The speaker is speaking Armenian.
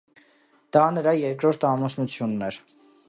Դա նրա երկրորդ ամուսնությունն էր։